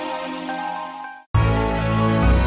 terima kasih sudah nonton